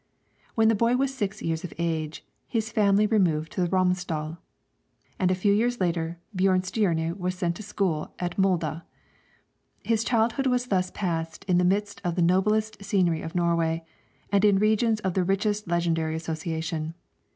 When the boy was six years of age, his family removed to the Romsdal, and a few years later Björnstjerne was sent to school at Molde. His childhood was thus passed in the midst of the noblest scenery of Norway, and in regions of the richest legendary association.